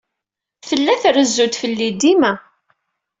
Tella trezzu-d fell-i dima.